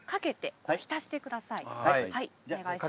はいお願いします。